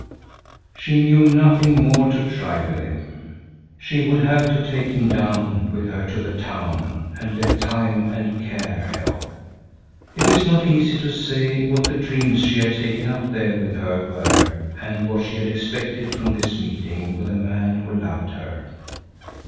She knew nothing more to try with him. She would have to take him down with her to the town and let time and care help. It is not easy to say what the dreams she had taken up there with her were and what she had expected from this meeting with the man who loved her.